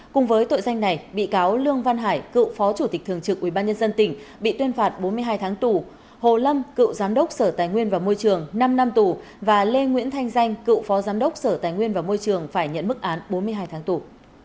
cùng với tội danh này bị cáo lương văn hải cựu phó chủ tịch thường trực ubnd tỉnh bị tuyên phạt bốn mươi hai tháng tù hồ lâm cựu giám đốc sở tài nguyên và môi trường năm năm tù và lê nguyễn thanh danh cựu phó giám đốc sở tài nguyên và môi trường phải nhận mức án bốn mươi hai tháng tù